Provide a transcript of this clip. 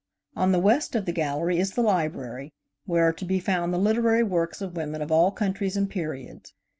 On the west of the gallery is the library, where are to be found the literary works of women of all countries and periods.